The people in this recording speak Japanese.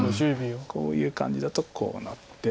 こういう感じだとこうなって。